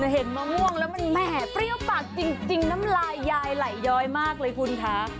เห็นมะม่วงแล้วมันแหมเปรี้ยวปากจริงน้ำลายยายไหลย้อยมากเลยคุณคะ